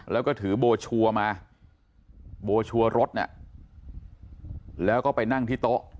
แล้วก็ถือโบชัวร์มาโบชัวร์รถแล้วก็ไปนั่งที่โต๊ะ